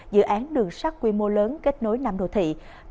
dự án đường sắt quy mô lớn kết nối năm đô thị